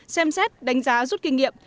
xem xét đánh giá rút kinh nghiệm